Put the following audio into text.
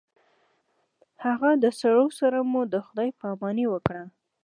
هغه سړو سره مو د خداے په اماني وکړه